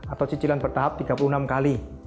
atau cicilan bertahap tiga puluh enam kali